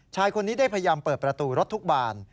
ชายคนนี้ได้พยายามเปิดประตูรถทุกบาน